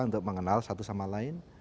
untuk mengenal satu sama lain